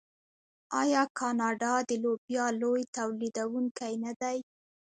آیا کاناډا د لوبیا لوی تولیدونکی نه دی؟